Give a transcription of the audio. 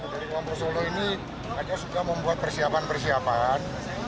dari kuampus solo ini mereka suka membuat persiapan persiapan